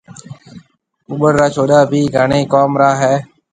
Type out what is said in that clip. ٻُٻڙ را ڇوُڏآ ڀِي گھڻي ڪوم را هيَ۔